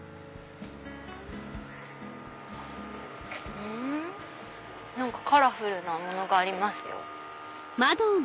はいカラフルなものがありますよ。